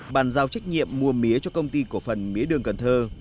bàn giao trách nhiệm mua mía cho công ty cổ phần mía đường cần thơ